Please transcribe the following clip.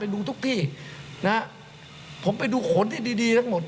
ดูทุกที่นะฮะผมไปดูขนที่ดีดีทั้งหมด